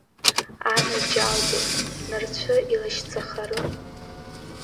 Анаџьалбеит, нырцәы илашьцахарым?